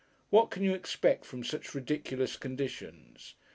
What can you expect from such ridiculous conditions?